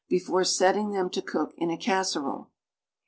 I>cf<irc setting them to cook in a casserole?